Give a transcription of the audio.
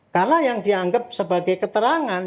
karena yang dianggap sebagai keterangan